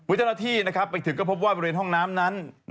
เจ้าหน้าที่ไปถึงก็พบว่าบริเวณห้องน้ำนั้น